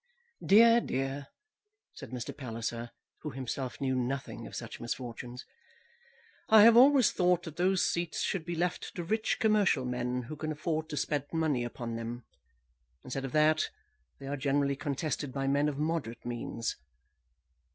"Dear, dear," said Mr. Palliser, who himself knew nothing of such misfortunes. "I have always thought that those seats should be left to rich commercial men who can afford to spend money upon them. Instead of that, they are generally contested by men of moderate means.